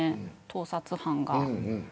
盗撮犯が。